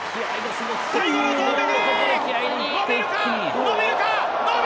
最後の投てき。